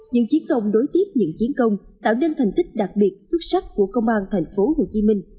những chiến công đối tiếp những chiến công tạo nên thành tích đặc biệt xuất sắc của công an tp hcm